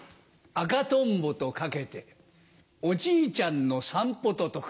赤とんぼと掛けておじいちゃんの散歩と解く。